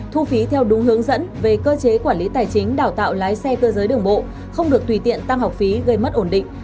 thu phí theo đúng hướng dẫn về cơ chế quản lý tài chính đào tạo lái xe cơ giới đường bộ không được tùy tiện tăng học phí gây mất ổn định